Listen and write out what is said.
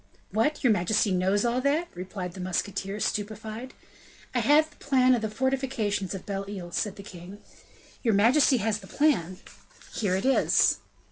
"What! your majesty knows all that?" replied the musketeer, stupefied. "I have the plan of the fortifications of Belle Isle," said the king. "Your majesty has the plan?" "Here it is."